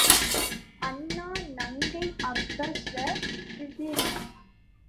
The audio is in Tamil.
அண்ணா நங்கை அப்ஸ்ர ஸ்திரீ.